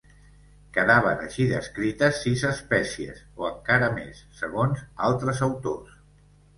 Quedaven així descrites sis espècies, o encara més, segons altres autors.